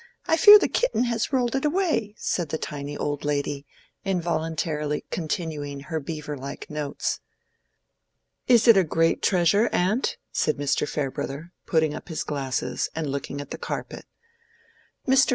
I fear the kitten has rolled it away," said the tiny old lady, involuntarily continuing her beaver like notes. "Is it a great treasure, aunt?" said Mr. Farebrother, putting up his glasses and looking at the carpet. "Mr.